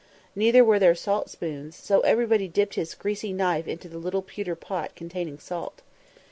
Neither were there salt spoons, so everybody dipped his greasy knife into the little pewter pot containing salt.